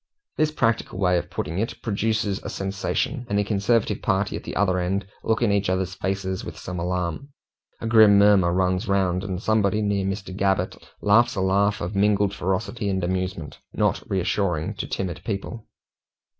This practical way of putting it produces a sensation, and the conservative party at the other end look in each other's faces with some alarm. A grim murmur runs round, and somebody near Mr. Gabbett laughs a laugh of mingled ferocity and amusement, not reassuring to timid people.